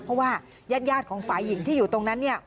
เพราะว่ายาดของฝ่ายหญิงที่อยู่ตรงนั้นเนี่ย